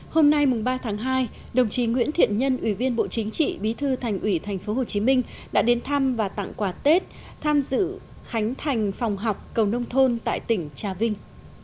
hôm nay ba tháng hai đồng chí nguyễn thiện nhân ủy viên bộ chính trị bí thư thành ủy tp hcm đã đến thăm và tặng quà tết tham dự khánh thành phòng học cầu nông thôn tại tỉnh trà vinh